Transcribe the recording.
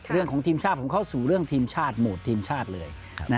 เรื่องของทีมชาติของเขาสู่เรื่องทีมชาติโหมดทีมชาติเลย